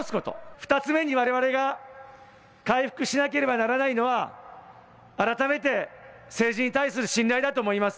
２つ目にわれわれが回復しなければならないのはあらためて、政治に対する信頼だと思います。